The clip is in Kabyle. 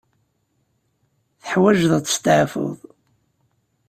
Teḥwaǧeḍ ad testeɛfuḍ.